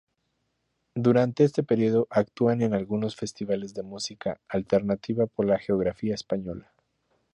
Durante este periodo actúan en algunos festivales de música alternativa por la geografía española.